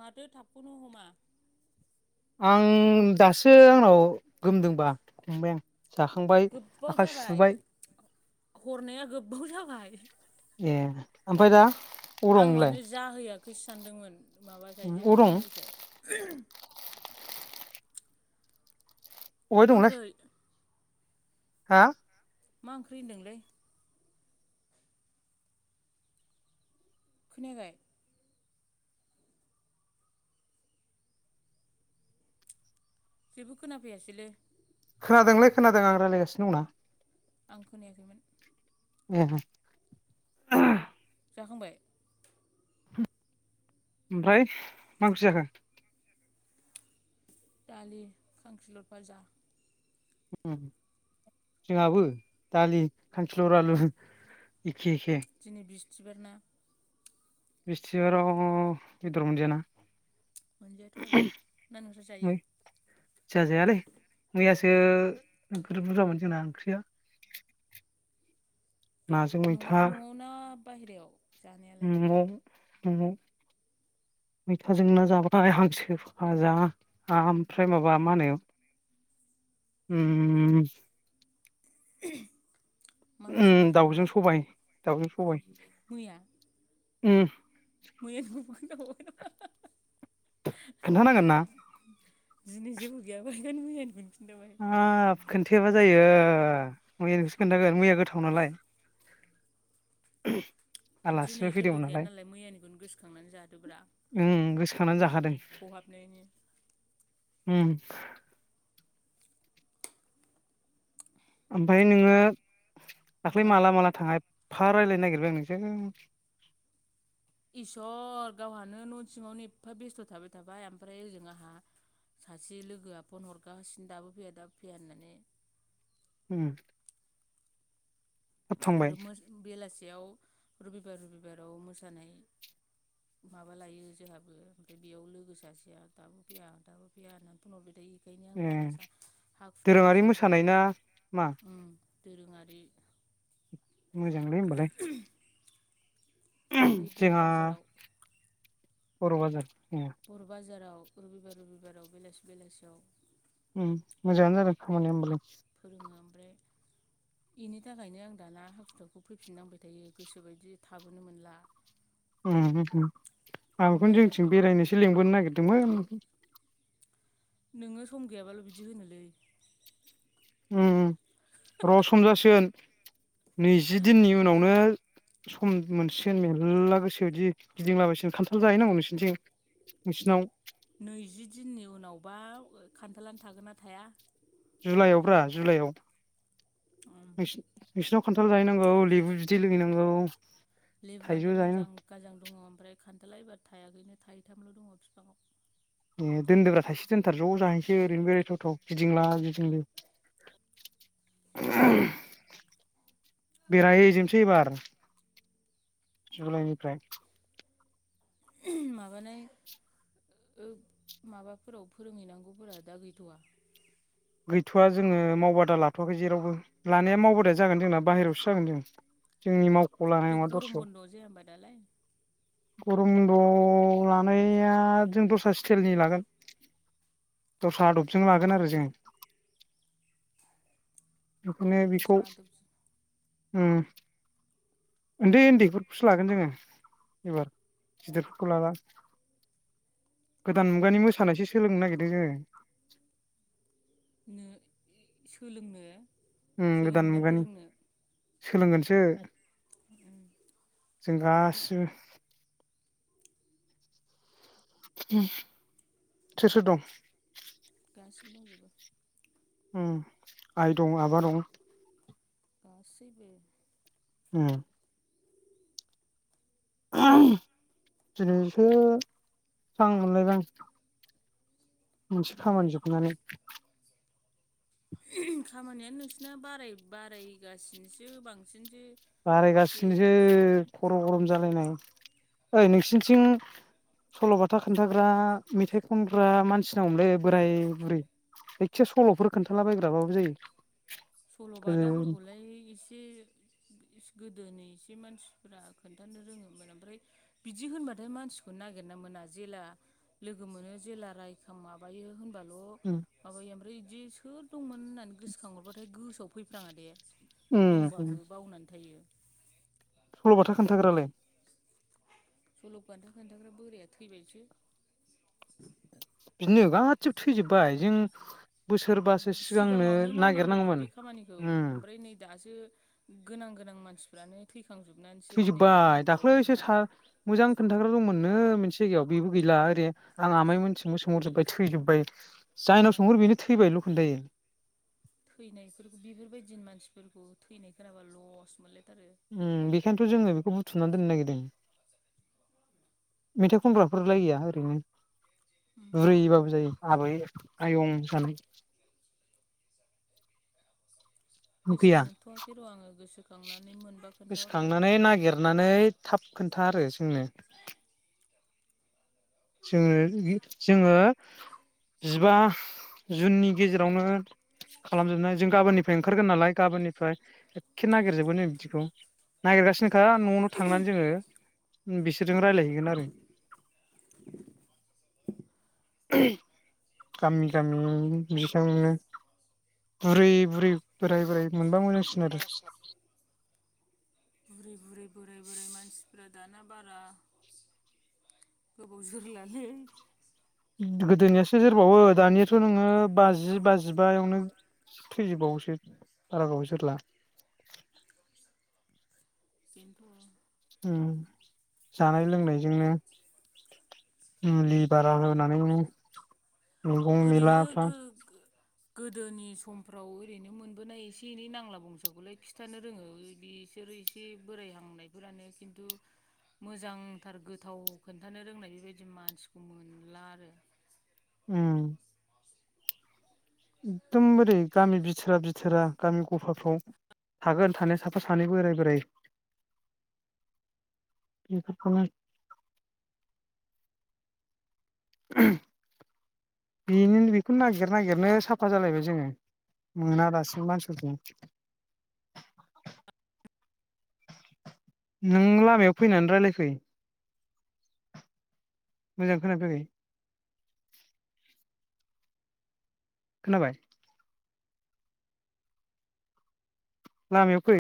माथो थाबखौनो हमा? आं दासो आंनाव गोमदोंबा फंबाय आं। जाखांबाय गोबाव आखाइ जाबाय सुबाय हरनाया गोबाव जाबाय। बाय। ए ओमफ्रायाय दा। आं दं नोंलाय मानोे जाहैआ खैस सानदोंमोन माबा खाय अबाव जेबो दं खोनायैखाय अबहाय मां दंलै ओंख्रै हा मा ओंख्रि होनदोंलै खोनायाखै जेबो खोनाफैयासैलै खोनादोंलै खोनादों आं रायज्लायगासिनो दंना आं खोनायाखैमोन [unintelligible] जाखांबाय ओमफ्राय मा ओंख्रि जाखो दालि खांखिलर फाजा जोंहाबो दालि खांखिलर आलु के के तिबारना बिस्थिबाराव बेदर मोनजायाना मोनजायाथ' आरो ना नोंस्रा जायो जाजायालै मैयासो बेयाव बुरजामोन जोंना ओंख्रिया नाजों न'आव मैथा न'आव ना बाहेरायाव जानायालाय म न'आव मैथाजों ना जाबाथाय हांसो फाजा ओमफ्राय माबा मा होनो उम [inaudible] हांसो उम भाजा दाउजों मैया सबाय दाउजों सबाय मैया उम [unintelligible] [unintelligible] खिन्था नांगोनना दिनै जेबो गैयाबा बेखायनो मैयानिखौनो खिन्थाबाय आ आफखोन थेबा जायो मैया नोंसो खोन्थागोन मैया गोथाव नालाय [inaudible] दिनै आलासिबो जेबो फैदोंमोन गैया नालाय मैयानिखौनो गोसोखांनानै जादोब्रा उम गोसोखांनानै जाखादों खहाबनायनि। हम ओमफाय नोङो मा दाखलै माला माला थांङा एफ फा रायलायनो नागिरबाय आं नोंजों। इस'र गावहानो न' सिङावनो एफा बेस्थ' थाबाय थाबाय ओमफ्राय ओजों आंहा सासे लोगोआ फन हरगासिनो दाबो फैया दाबो फैया होननानै। उम थाब थांबाय आरो मोस बेलासि बेयाव रबिबार रबिबाराव मोसानाय माबा लायो जोंहाबो ओमफ्राय बेयाव लोगो सासेया दाबो फैया दाबो फैया होननानै फनहरबाय थायो। बेखायनो आं ए दाना जा हाखु दाखु दोरोङारि मोसानाय जाबोयो ना मा उम। दोरोङारि। मोजांलै होमबालाय। ओइ बर' जोंहा बाजाराव बर' बाजार ए बर' बाजाराव रबिबार रबिबाराव बेलासि बेलासियाव उम मोजाङानो जादों खामानिया ओमबालाय। फोरोङो ओमफ्राय इनि थाखायनो आं दाना हाखु दाखु फैफिननांबाय थायो। गोसो बायदि थाबोनो मोनला। उम हो आं बेखौनो ओमफ्राय जोंथिं बेरायनोसो लेंबोनो नागिर दोंमोन। नोङो सम गैयाबाल' बिदि होनोलै। उम र' सम जासिगोन नैजि दिननि उनावनो सम मोनसिगोन मेरला गोसो बादि गिदिंला बायसिग खान्थाल जाहै नांगौ नोंसोरनिथिं नोंसिनाव नैजि दिननि उनावबा खान्थालानो थागोन ना थाया। जुलाइआवब्रा जुलाइआव उम नोंसि नोंसिनाव खान्थाल जाहैनांगौ लेबु बिदै लोहैनांगौ। लिबुआनो देन आजां गाजां दङ ओमफ्राय खान्थाला एबार थायाखैनो थायैथामल' दङ बिफांआव ए दोनदोब्रा थाइसे दोनथार ज' जाहैसै उम ओरैनो बेरायथावथाव गिदिंला गिदिंलि बेरायहैजोबसै एबार जुलाइनिफ्राय। माबानाय ओ माबाफोराव फोरोंहैनांगौफोरा दा गैथ'वा? थ'आ जोङो मावबादा लाथ'वाखै जेरावबो लानाया मावबादाया जागोन जोंना बाहेरायावसो जागोन जों जोंनि माव बे गरम बन्द'आव जाया होनबा दालाय? गरम ब'न्द लानाया जों दस्रा स्टाइलनि लागोन। दस्रा आदबजों लागोन आरो जोंङो। बेखौनो दस्रा बेखौ दस्रा आदब उम उन्दै उन्दैफोरखौसो लागोन जोङो एबार गिदिरफोरखौ लाला गोदान मुगानि मोसानायसो सोलोंनो नागिरदों जोङो। नो सोलोंनो? उम गोदान सोलोंना मुगानि। फोरोंनो सोलोंगोनसो। जों गासिबो सोर सोर दं? सिबो दंजोबो। उम आइ दं आबा दं गासैबो ओम [unintelligible] दिनैसो स्रां मोनलायबाय आं मोनसे माखौ खामानि जोबनानै खामानियानो नोंसिना बाराय बारायगासिनोसो बांसिनसो बे बारायगासिनोसो खर' गरम जालायनाय ओइ नोंसिनिथिं सल'बाथा खोनथाग्रा मेथाइ खनग्रा मानसि नांगौमोनलै बोराय बुरै एखे सल'फोर खोन्थालाबायग्राबाबो जायो। सल' गोदोनि बाथाफोरखौलाय एसे गोदोनि एसे मानसिफ्रा खोन्थानो रोङोमोन ओमफ्राय बिदि होनबाथाय मानसिखौ नागिरना मोना जेला लोगो मोनो जेला रायखां माबायो होनबा ल उम माबायो ओमफ्राय इदि सोर दंमोन होननानै गोसोखांहरबा ओमफ्राय गोसोआव फैफ्राङा दे। उम दंबाबो बावनानै थायो। सल'बाथा खोन्थाग्रालाय सल'बाथा खोनथाग्रा बोराया थैबायसो। बिदिनो गासैबो थैजोबबाय जों बोसोरबासो सिगांनो सिगाङावनो मावनांगौमोन नागिरनांगौमोन बे खामानिखौ उम ओमफ्राय नै दासो गोनां गोनां मानसिफ्रानो थै थैजोबबाय दाख्लै एसे सा मोजां खोन्थाग्रा दंमोन नो मोनसे जायगायाव बेबो गैला ओरै आं आमाय मोनथिंबो सोंहरजोबबाय थैजोब्बाय जायनाव सोंहरो बेनो थैबायल' खोनथायो। थैनायफोरखौ बेफोरबायदि मानसिफोरखौ थैनायफोराबा लस मोनलाय उम बेखायनोथ' जोङो बेखौ बु थुमना दोननो नागिरदों। मेथाइ खनग्राफोरलाय गैया ओरैनो? बुरैबाबो जायो। आबै आयं जानाय। गैया गोसोखांथ'वाखै र' आङो गोसोखांनानै मोनबा खोन्थाहरगोन। गोसोखांनानै नागिरनानै थाब खोन्था आरो जोंनो। जोङो जोङो जिबा जुननि गेजेरावनो खालामजोबना जों गाबोननिफ्राय ओंखारगोन नालाय गाबोननिफ्राय एकखे नागिरजोबगोन न बिदिखौ नागिरगासिनो [unintelligible] न'आवनो थांनानै जोङो बिसोरजों रायलायहैगोन आरो। गामि गामि [unintelligible] बुरै बुरै बोराय बोराय मोनबा मोजांसिन आरो। बुरै बुरै बोराय बोराय मानसिफ्रा दाना बारा गोबाव जोरलालै। गोदोनियासो जोरबावो दानियाथ' नोङो बाजि बाजिबायावनो थैजोबबावोसो बारा गोबाव जोरला। खिन्थु जानाय लोंनायजोंनो मुलि बारा होनानैनो मैगं मैला ओरैनो गो गोदोनि समफ्राव ओरैनो मोनबोनाय एसे एनै नांला बंसाखौलाय खिथानो रोङो बिसोरो एसे बोरायहांनायफोरानो खिन्थु मोजांथार गोथाव खोन्थानो रोंनाय बेबायदि मानसिखौ मोनला आरो। उम एखदम बोरै गामि बिथोरा बिथोरा गामि गफाफ्राव थागोन थानाया साफा सानैबो बोराय बोराय बेफोरखौनो बे बेखौ नागिर नागिरनो साफा जालायबाय जोङो मोना दासिम मानसिफोरखौ। नों लामायाव फैनानै रायज्लायफै। मोजां खोनाफैयाखै। खोनाबाय। लामायाव फै